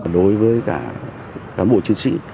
đối với cả cán bộ chiến sĩ